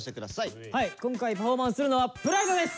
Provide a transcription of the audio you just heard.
今回パフォーマンスするのは「ＰＲＩＤＥ」です。